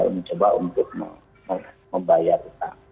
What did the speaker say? mencoba untuk membayar utang